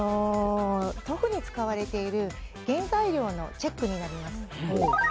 豆腐に使われている原材料のチェックになります。